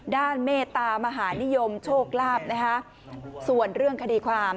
เมตตามหานิยมโชคลาภนะคะส่วนเรื่องคดีความ